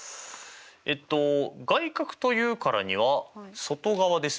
えっと外角というからには外側ですよね。